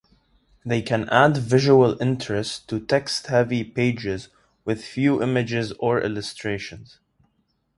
They can add visual interest to text-heavy pages with few images or illustrations.